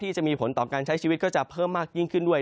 จะมีผลต่อการใช้ชีวิตก็จะเพิ่มมากยิ่งขึ้นด้วย